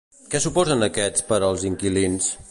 Què suposen aquests per als inquilins?